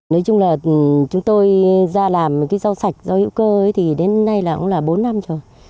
nói chung là chúng tôi ra làm cái rau sạch rau hữu cơ thì đến nay là cũng là bốn năm rồi